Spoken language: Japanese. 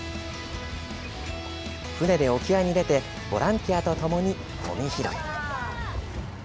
船で沖合に出てボランティアとともにごみ拾い。